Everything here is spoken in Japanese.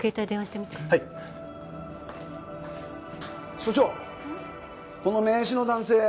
署長この名刺の男性